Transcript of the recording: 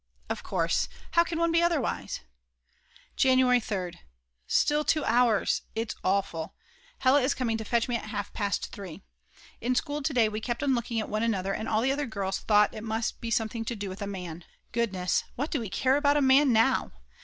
Of course, how can one be otherwise? January 3rd. Still 2 hours, it's awful, Hella is coming to fetch me at half past 3. In school to day we kept on looking at one another, and all the other girls thought it must be something to do with a man. Goodness, what do we care about a man now!